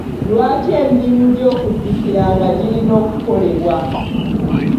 Lwaki emirimu gy'okujjukiranga girina okukolebwa?